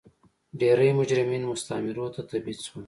ډېری مجرمین مستعمرو ته تبعید شول.